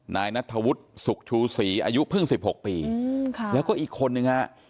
นายนัทธวุฒิสุขชูศรีอายุเพิ่ง๑๖ปีแล้วก็อีกคนนึงฮะ